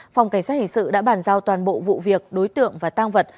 phòng cảnh sát hình sự đã bàn giao toàn bộ vụ việc đối tượng và tang vật